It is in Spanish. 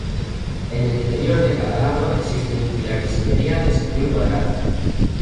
En el interior de cada lado existe un pilar de sillería de sección cuadrada.